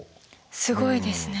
すごいですね。